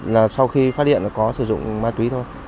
là sau khi phát điện có sử dụng ma túy thôi